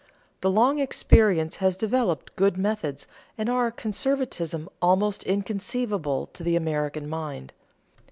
The long experience has developed good methods and a conservatism almost inconceivable to an American mind.